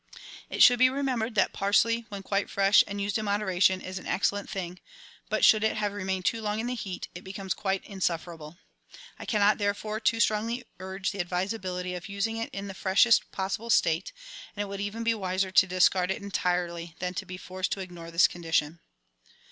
It should be remembered that parsley, when quite fresh and used in moderation, is an excellent thing; but, should it have remained too long in the heat, it becomes quite insufferable. I cannot, therefore, too strongly urge the advisability of using it in the freshest possible state, and it would even be wiser to discard it entirely than to be forced to ignore this condition.